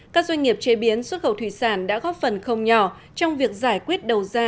các doanh nghiệp chế biến xuất khẩu thủy sản đã góp phần không nhỏ trong việc giải quyết đầu ra